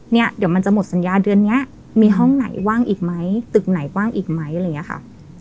เนี่ยเดี๋ยวมันจะหมดสัญญาเดือนนี้มีห้องไหนว่างอีกไหมตึกไหนว่างอีกไหมอะไรอย่างเงี้ยค่ะ